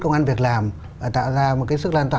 công an việc làm và tạo ra một cái sức lan tỏa